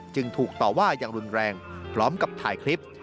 จึงถูกต่อว่าอย่างรุนแรงพร้อมกับถ่ายคลิป